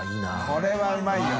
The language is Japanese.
これはうまいよ。